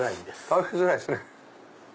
食べづらいですね。